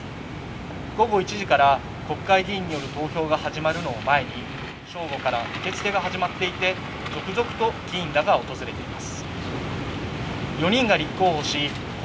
午後１時から国会議員による投票が始まるのを前に正午から受け付けが始まっていて続々と議員らが訪れています。